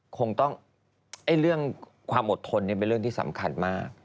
คงต้องเรื่องความอดทนเป็นเรื่องที่สำคัญมาก